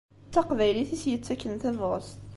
D taqbaylit i s-yettaken tabɣest.